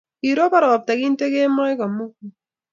Kirobon ropta kintee kemoi komugul.